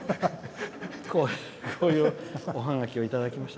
こういうおハガキをいただきました。